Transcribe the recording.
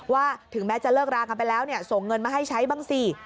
ถึงแม้จะเลิกรากันไปแล้วส่งเงินมาให้ใช้บ้างสิ